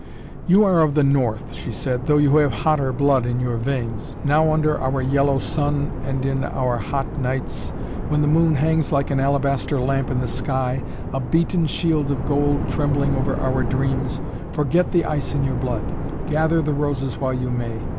"You are of the North," she said, "though you have hotter blood in your veins. Now under our yellow sun, and in our hot nights, when the moon hangs like an alabaster lamp in the sky, a beaten shield of gold trembling over our dreams forget the ice in your blood. Gather the roses while you may!